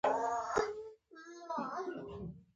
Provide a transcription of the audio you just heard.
افغانستان کې د سمندر نه شتون په اړه زده کړه کېږي.